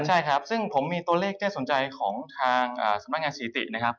ใช่ครับซึ่งผมมีตัวเลขที่สนใจของทางสำนักงานสถิตินะครับ